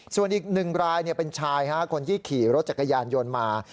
ส่วนอีกหนึ่งรายเนี่ยเป็นชายค่ะคนที่ขี่รถจักรยานยนต์มา